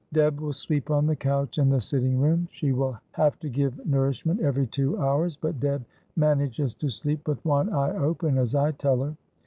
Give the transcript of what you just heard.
Deb will sleep on the couch in the sitting room. She will have to give nourishment every two hours, but Deb manages to sleep with one eye open, as I tell her.